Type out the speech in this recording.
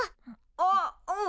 あっうん。